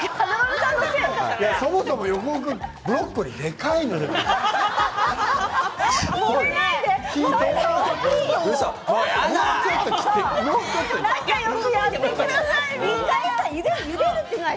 そもそも横尾君ブロッコリーが大きすぎるのよ！